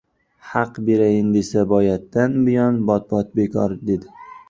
Haq berayin desa, boyatdan buyon bot-bot bekor, dedi.